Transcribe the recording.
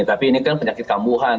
tapi ini kan penyakit kambuhan